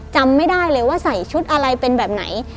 จำไม่ได้เลยว่าใส่ชุดอะไรเป็นแบบไหน